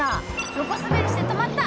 横滑りして止まった！